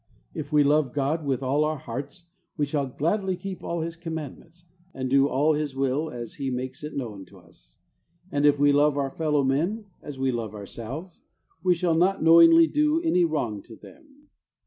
If we love God with all our hearts we shall gladly keep all His commandments, and do all His will as He makes it known to us. And if we love our fellow men as we love ourselves, we shall not knowingly do any wrong to them.